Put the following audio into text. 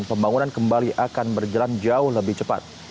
pembangunan kembali akan berjalan jauh lebih cepat